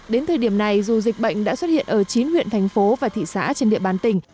đến thời điểm này dù dịch bệnh đã xuất hiện ở chín huyện thành phố và thị xã trên địa bàn tỉnh